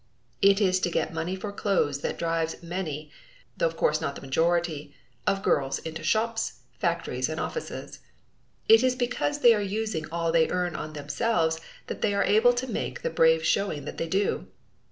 It is to get money for clothes that drives many, though of course not the majority, of girls, into shops, factories, and offices. It is because they are using all they earn on themselves that they are able to make the brave showing that they do.